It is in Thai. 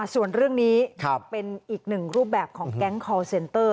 ส่วนเรื่องนี้เป็นอีกหนึ่งรูปแบบของแก๊งคอร์เซนเตอร์